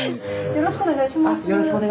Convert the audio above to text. よろしくお願いします。